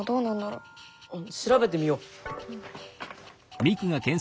あっ調べてみよう。